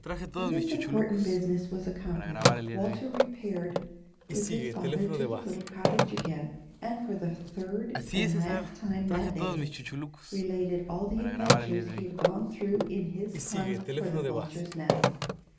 When this important business was accomplished, Walter repaired with his father to the little cottage again, and for the third and last time that day related all the adventures he had gone through in his hunt for the vulture's nest.